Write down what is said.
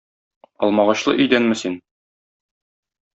Алмагачлы өйдәнме син?